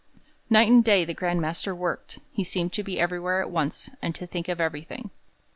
Night and day the Grand Master worked; he seemed to be everywhere at once, and to think of everything.